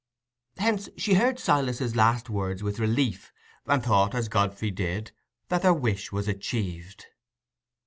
Hence she heard Silas's last words with relief, and thought, as Godfrey did, that their wish was achieved.